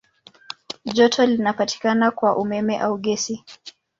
Joto linapatikana kwa umeme au gesi.